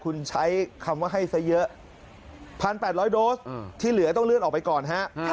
คุณใช้คำว่าให้ซะเยอะ๑๘๐๐โดสที่เหลือต้องเลื่อนออกไปก่อนฮะ